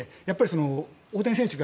大谷選手